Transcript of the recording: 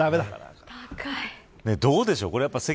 どうでしょう。